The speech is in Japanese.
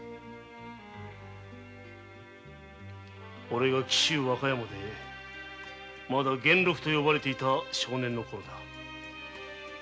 おれが紀州和歌山で源六と呼ばれていた少年のころだ。